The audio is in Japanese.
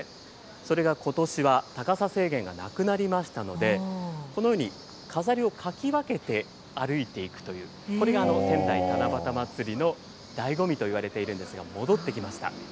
それがことしは、高さ制限がなくなりましたので、このように飾りをかき分けて歩いていくという、これが仙台七夕まつりのだいご味といわれているんですが、戻ってきました。